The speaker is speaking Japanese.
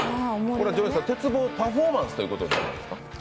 鉄棒パフォーマンスということですか？